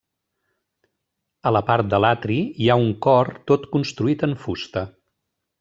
A la part de l'atri hi ha un cor tot construït en fusta.